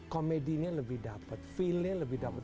komedinya lebih dapat feelnya lebih dapat